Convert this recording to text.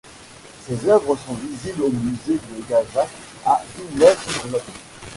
Ses œuvres sont visibles au musée de Gajac à Villeneuve-sur-Lot.